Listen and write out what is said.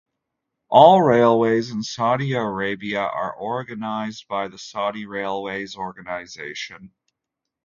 All railways in Saudi Arabia are organized by the Saudi Railways Organization.